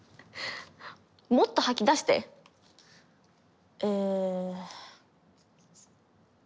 「もっと吐き出して」。え。